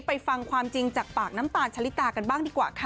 ฟังความจริงจากปากน้ำตาลชะลิตากันบ้างดีกว่าค่ะ